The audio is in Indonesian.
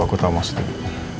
aku tahu maksud ibu